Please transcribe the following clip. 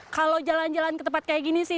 kalau jalan jalan ke tempat kayak gini sih